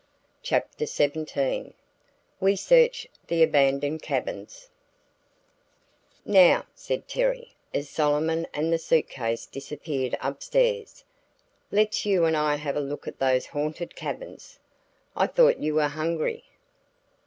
CHAPTER XVII WE SEARCH THE ABANDONED CABINS "Now," said Terry, as Solomon and the suitcase disappeared upstairs, "let's you and I have a look at those haunted cabins." "I thought you were hungry!"